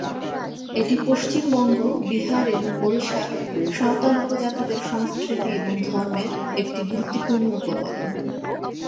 এটি পশ্চিমবঙ্গ, বিহার এবং ওড়িশার সাঁওতাল উপজাতিদের সংস্কৃতি এবং ধর্মের একটি গুরুত্বপূর্ণ উপকরণ।